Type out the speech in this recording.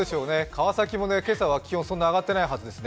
川崎も今朝は気温、そんなに上がってないと思います。